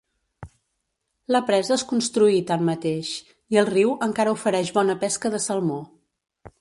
La presa es construí, tanmateix, i el riu encara ofereix bona pesca de salmó.